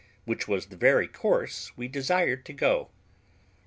which was the very course we desired to go.